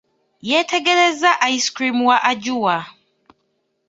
Yeetegereza ice cream wa Ajua.